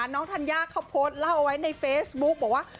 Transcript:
ธัญญาเขาโพสต์เล่าเอาไว้ในเฟซบุ๊กบอกว่า